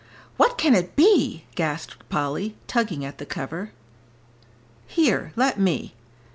"What can it be!" gasped Polly, tugging at the cover. "Here let me."